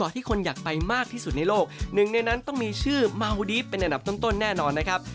ที่นี่ประเทศเมาดีครับ